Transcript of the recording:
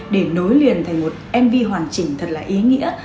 để nối liền thành một mv hoàn chỉnh thật là ý nghĩa